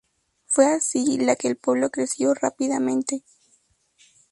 Fue así la que el pueblo creció rápidamente.